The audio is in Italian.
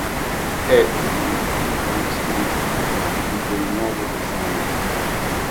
È uno dei primi manoscritti datati del Nuovo Testamento.